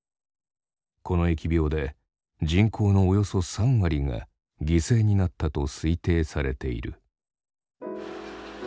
この疫病で人口のおよそ３割が犠牲になったと推定されている。